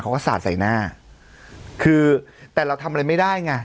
สาดใส่หน้าคือแต่เราทำอะไรไม่ได้ไง